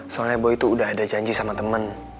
soalnya boy tuh udah ada janji sama temen